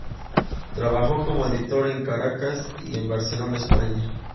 Trabajó como editor en Caracas y en Barcelona, España.